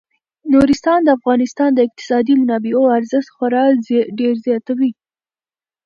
نورستان د افغانستان د اقتصادي منابعو ارزښت خورا ډیر زیاتوي.